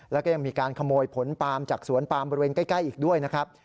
แล้วก็ยังมีการขโมยผลปามจากสวนปามบริเวณใกล้อีกด้วยนะครับ